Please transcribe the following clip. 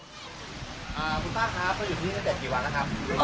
คุณป้าครับเขาอยู่ที่นี่ตั้งแต่กี่วันแล้วครับ